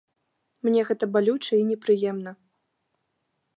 Мне гэта балюча і непрыемна.